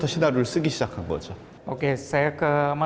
dan saya juga ingin menonton anak anak ini